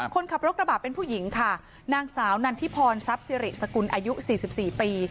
คนขับรถกระบะเป็นผู้หญิงค่ะนางสาวนันทิพรทรัพย์สิริสกุลอายุ๔๔ปี